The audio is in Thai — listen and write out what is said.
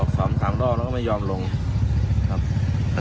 ซ้อม๓รอบแล้วก็ไม่ยอมลงครับ